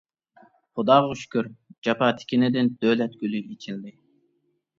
خۇداغا شۈكۈر، جاپا تىكىنىدىن دۆلەت گۈلى ئېچىلدى.